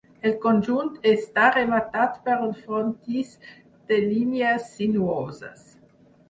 El conjunt està rematat per un frontis de línies sinuoses.